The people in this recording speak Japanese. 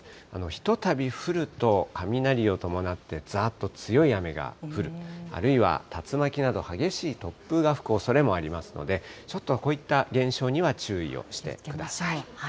ひとたび降ると、雷を伴ってざーっと強い雨が降る、あるいは竜巻など激しい突風が吹くおそれもありますので、ちょっとこういった現象には注意をしてください。